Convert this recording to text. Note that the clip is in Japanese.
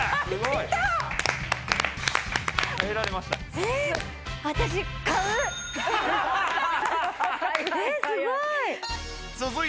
えっすごい！